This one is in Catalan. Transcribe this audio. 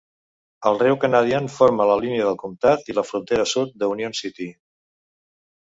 El riu Canadian forma la línia del comtat i la frontera sud de Union City.